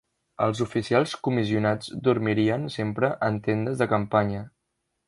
Els oficials comissionats dormirien sempre en tendes de campanya.